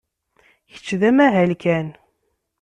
Kečč d amahal kan.